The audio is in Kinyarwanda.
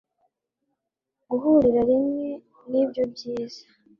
guhurira rimwe nibyo byiza